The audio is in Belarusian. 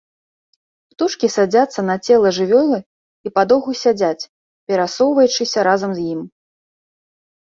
Птушкі садзяцца на цела жывёлы і падоўгу сядзяць, перасоўваючыся разам з ім.